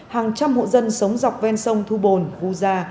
hàng trăm hộ dân sống dọc ven sông thu bồn vu gia